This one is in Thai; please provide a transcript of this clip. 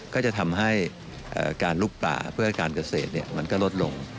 ก็จะทำให้การลุกป่าเพื่อการเกษตรมันก็ลดลง